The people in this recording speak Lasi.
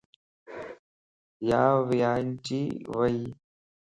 ياوڃائيجي ويئيَ